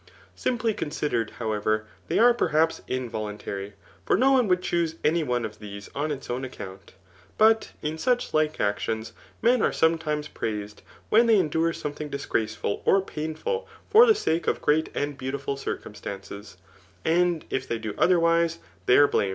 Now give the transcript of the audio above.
Simply considered, however, they are perhaps involuntary ; for no one would choose any one pf these oi;! its own account. But in such like actions, fnen are sometimes praised, when they wdpre something (iisgracefql or painful, for the sake of great ^4 beautiful circumstances ; and if they do otherwise, they are bla?